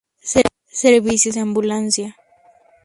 Servicio de ambulancia.